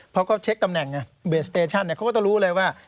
เพราะเขาเช็คตำแหน่งบริเวณสเตชั่นเขาก็ต้องรู้เลยว่า